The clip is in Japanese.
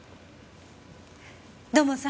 土門さん。